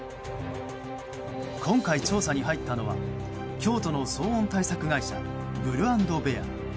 今回調査に入ったのは京都の騒音対策会社ブルアンドベア。